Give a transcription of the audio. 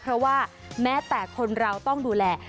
เพราะว่าแม้แต่คนเราต้องดูแล